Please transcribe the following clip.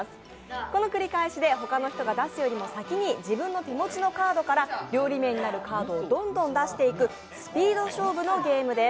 この繰り返しでほかの人が出すよりも先に自分の手持ちのカードから料理名になるカードをどんどん出していくスピード勝負のゲームです。